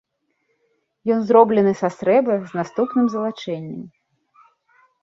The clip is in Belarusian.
Ён зроблены са срэбра з наступным залачэннем.